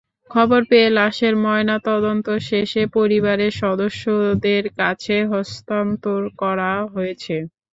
খবর পেয়ে লাশের ময়নাতদন্ত শেষে পরিবারের সদস্যদের কাছে হস্তান্তর করা হয়েছে।